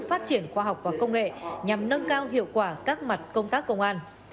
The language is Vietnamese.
phát triển khoa học và công nghệ nhằm nâng cao hiệu quả các mặt công tác công an